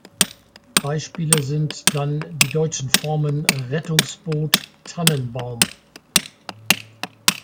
Beispiele sind dann die deutschen Formen "Rettungsboot", "Tannenbaum".